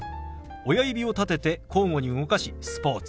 親指を立てて交互に動かし「スポーツ」。